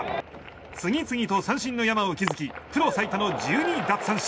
次々と三振の山を築きプロ最多の１２奪三振。